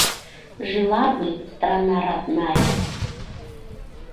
Жила бы страна родная